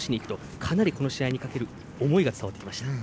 かなり、この試合にかける思いが伝わってきました。